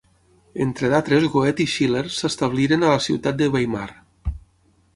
Entre d'altres Goethe i Schiller s'establiren a la ciutat de Weimar.